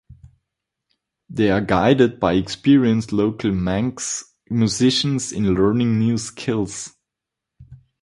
They are guided by experienced local Manx musicians in learning new skills.